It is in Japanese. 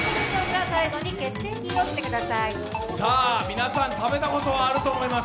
皆さん食べたことはあると思います。